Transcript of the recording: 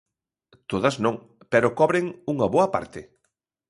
Todas non, pero cobren unha boa parte.